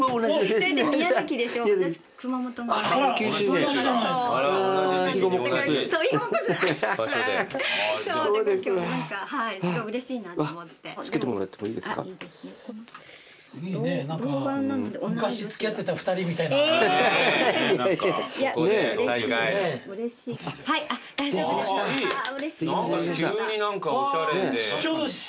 急に何かおしゃれで。